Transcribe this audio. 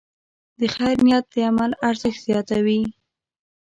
د خیر نیت د عمل ارزښت زیاتوي.